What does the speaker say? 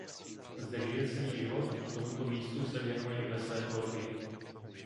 Zde žije celý život a tomuto místu se věnuje i ve své tvorbě.